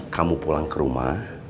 kamu pulang ke rumah